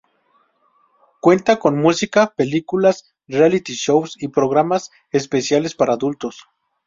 Cuenta con música, películas, reality shows, y programas especiales para adultos.